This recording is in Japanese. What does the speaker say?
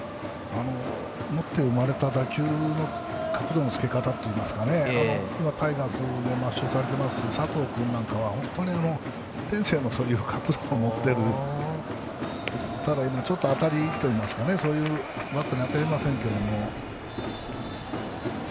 持って生まれた打球への角度のつけ方といいますかタイガース末梢されている佐藤君なんかは天性の角度を持っているちょっと当たりといいますかバットに当てれませんけども。